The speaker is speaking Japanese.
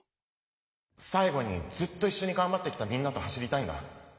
最後にずっといっしょにがんばってきたみんなと走りたいんだ。